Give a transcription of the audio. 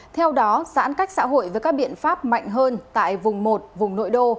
theo đó giãn cách xã hội với các biện pháp mạnh hơn tại vùng một vùng nội đô